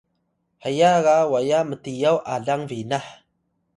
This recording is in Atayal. heya ga waya mtiyaw alang binah